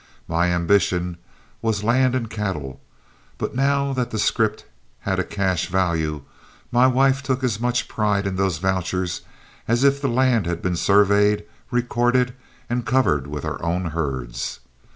My ambition was land and cattle, but now that the scrip had a cash value, my wife took as much pride in those vouchers as if the land had been surveyed, recorded, and covered with our own herds.